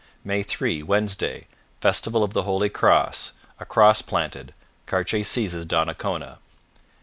May 3 Wednesday Festival of the Holy Cross. A cross planted; Cartier seizes Donnacona.